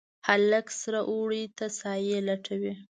هلک سره اوړي ته سایې ټولوي